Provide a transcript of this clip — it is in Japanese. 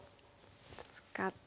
ブツカって。